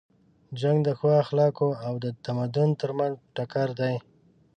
جنګ د ښو اخلاقو او د تمدن تر منځ ټکر دی.